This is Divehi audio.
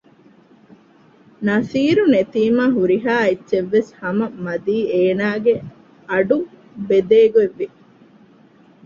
ނަޞީރު ނެތީމާ ހުރިހާ އެއްޗެއްވެސް ހަމަ މަދީ އޭނާގެ އަޑު ބެދޭގޮތް ވި